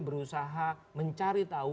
berusaha mencari tahu